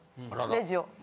レジを。